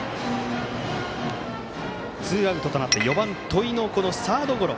ツーアウトとなって４番、戸井のサードゴロ。